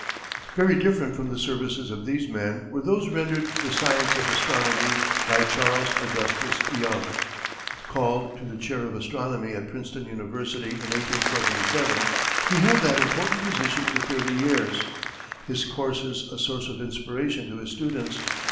Very different from the services of these men were those rendered the science of astronomy by Charles Augustus Young. Called to the chair of astronomy at Princeton University in 1877, he held that important position for thirty years, his courses a source of inspiration to his students.